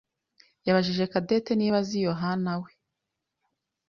yabajije Cadette niba azi Yohanawe.